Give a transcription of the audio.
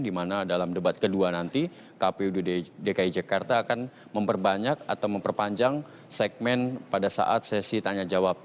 di mana dalam debat kedua nanti kpu dki jakarta akan memperbanyak atau memperpanjang segmen pada saat sesi tanya jawab